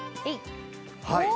はい。